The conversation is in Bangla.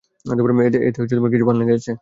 এতে কিছু পান লেগে গেছে।